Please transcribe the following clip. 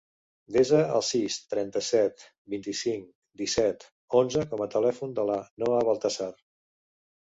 Desa el sis, trenta-set, vint-i-cinc, disset, onze com a telèfon de la Noha Baltasar.